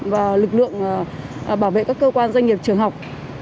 và lực lượng bảo vệ các cơ quan doanh nghiệp trường học